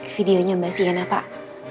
videonya mbak sienna pak